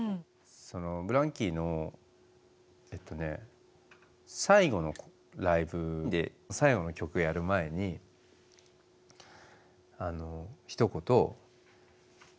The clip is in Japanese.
ＢＬＡＮＫＥＹのえっとね最後のライブで最後の曲やる前にひと言。